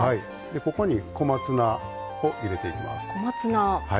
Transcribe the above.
ここに、小松菜を入れていきます。